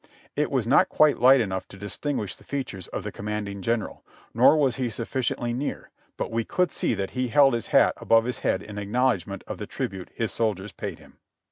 It was not quite light enough to distinguish the features of the commanding general, nor was he sufficiently near, but we could see that he held his hat above his head in acknowledgment of the tribute his soldiers paid him.